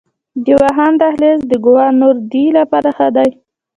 د واخان دهلیز د کوه نوردۍ لپاره ښه دی؟